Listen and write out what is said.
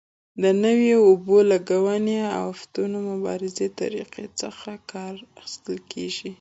د نویو اوبه لګونې او آفتونو مبارزې طریقو څخه کار اخیستل کېږي.